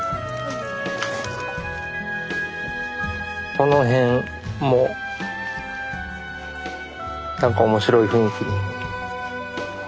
この辺もなんか面白い雰囲気に。